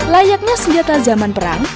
layaknya senjata zaman perang